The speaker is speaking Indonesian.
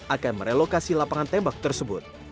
akan merelokasi lapangan tembak tersebut